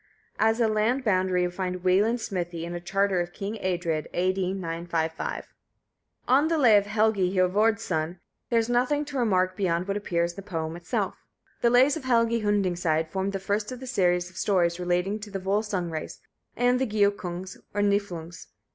As a land boundary we find Weland's smithy in a Charter of king Eadred A.D. 955. On the Lay of Helgi Hiorvard's Son there is nothing to remark beyond what appears in the poem itself. The Lays of Helgi Hundingcide form the first of the series of stories relating to the Volsung race, and the Giukungs, or Niflungs.